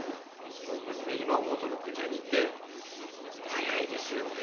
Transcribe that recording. でもね今思うと６２って早いですよね。